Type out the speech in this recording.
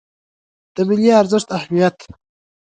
د ملي ارزښتونو اهمیت